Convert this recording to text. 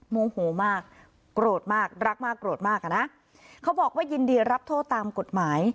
โมโหมากโกรธมากรักมากโกรธมากอ่ะนะเขาบอกว่ายินดีรับโทษตามกฎหมาย